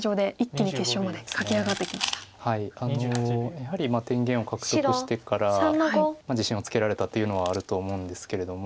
やはり天元を獲得してから自信をつけられたというのはあるんと思うんですけれども。